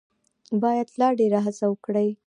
باید لا ډېره هڅه وکړي.